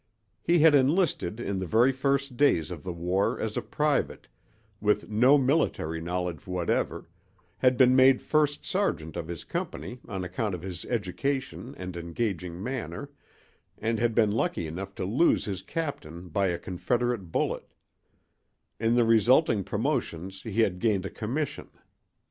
He had enlisted in the very first days of the war as a private, with no military knowledge whatever, had been made first sergeant of his company on account of his education and engaging manner, and had been lucky enough to lose his captain by a Confederate bullet; in the resulting promotions he had gained a commission.